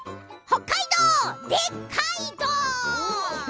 北海道、でっかいどう！